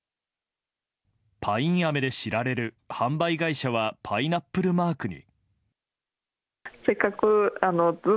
パインアメで知られる販売会社はパイナップルマークに。